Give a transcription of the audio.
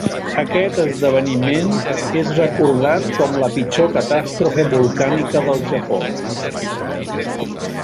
Aquest esdeveniment és recordat com la pitjor catàstrofe volcànica del Japó.